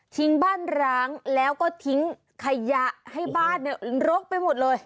ทิ้งบ้านร้างแล้วก็ทิ้งขยะให้บ้านลกไปหมดเลย